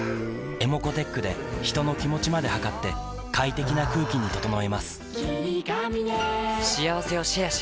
ｅｍｏｃｏーｔｅｃｈで人の気持ちまで測って快適な空気に整えます